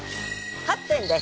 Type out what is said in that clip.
８点です。